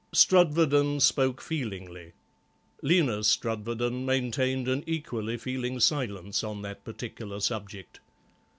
Strudwarden spoke feelingly; Lena Strudwarden maintained an equally feeling silence on that particular subject.